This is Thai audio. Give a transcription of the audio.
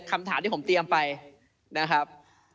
คำถามที่ผมเตรียมไปนะครับ